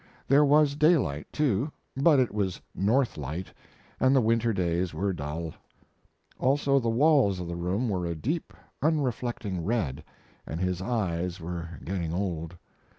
There was daylight, too, but it was north light, and the winter days were dull. Also the walls of the room were a deep, unreflecting red, and his eyes were getting old.